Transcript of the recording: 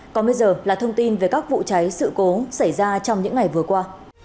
còn bây giờ là thông tin về các vụ cháy sự cố xảy ra trong những ngày vừa qua